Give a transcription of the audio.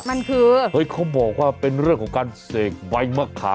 มันคือเฮ้ยเขาบอกว่าเป็นเรื่องของการเสกใบมะขาม